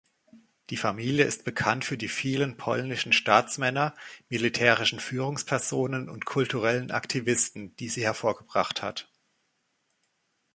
Die Familie ist bekannt für die vielen polnischen Staatsmänner, militärischen Führungspersonen und kulturellen Aktivisten, die sie hervorgebracht hat.